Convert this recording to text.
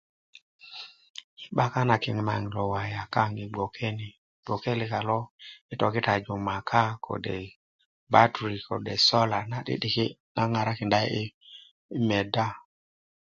yi 'bakan na kimag lo wayakag yi bgoke ni bgoke lika lo yi tokitaju maka kode baturi ̈kode sola na yi tokitaju yi medya